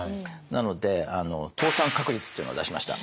なので倒産確率っていうのを出しました。